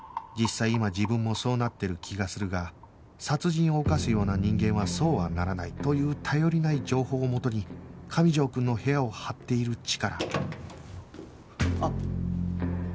実際今自分もそうなってる気がするが殺人を犯すような人間はそうはならないという頼りない情報を元に上条くんの部屋を張っているチカラあっ。